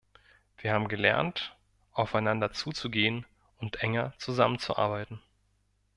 Wir haben gelernt, aufeinander zuzugehen und enger zusammenzuarbeiten.